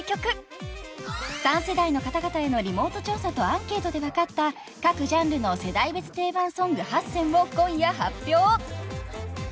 ［３世代の方々へのリモート調査とアンケートで分かった各ジャンルの世代別定番ソング８選を今夜発表］